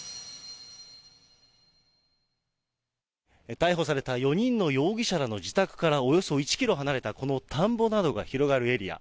逮捕された４人の容疑者らの自宅からおよそ１キロ離れたこの田んぼなどが広がるエリア。